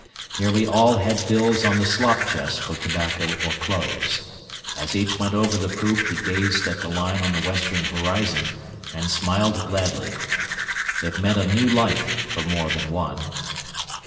Nearly all had bills on the slop chest for tobacco or clothes. As each went over the poop he gazed at the line on the western horizon and smiled gladly. It meant a new life for more than one.